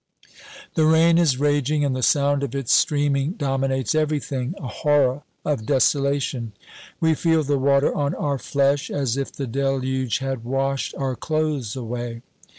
The rain is raging and the sound of its streaming dominates everything a horror of desolation. We feel the water on our flesh as if the deluge had washed our clothes away.